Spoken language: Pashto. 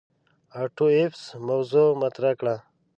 آټو ایفز موضوغ مطرح کړه.